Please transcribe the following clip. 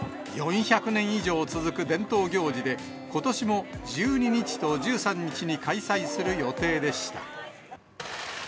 ４００年以上続く伝統行事で、ことしも１２日と１３日に開催する予定でした。